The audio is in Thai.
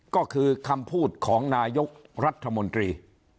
ก็คือคำพูดของนายกรัฐมนตรี